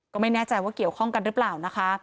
ก็ไม่แน่ใจว่าเกี่ยวข้องกันหรือเปล่านะคะ